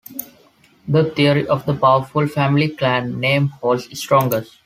The theory of the powerful family-clan name holds strongest.